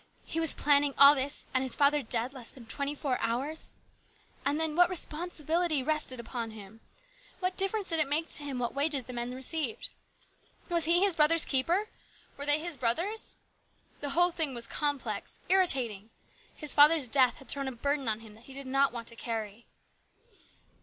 he was planning all this and his father dead less than twenty four hours ! And then, what responsibility rested upon him ? What difference did it make to him what wages the men received ? Was he his brother's keeper? Were they his brothers? The whole thing was complex, irritating. His father's death had thrown a burden on him that he did not want to carry.